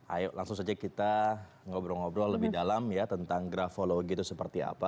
ayo langsung saja kita ngobrol ngobrol lebih dalam ya tentang grafologi itu seperti apa